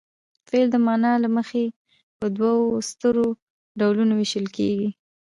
فعل د معنا له مخې په دوو سترو ډولونو ویشل کیږي.